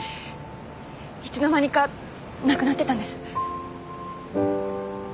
いつの間にかなくなってたんです。